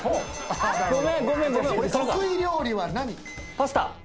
パスタ。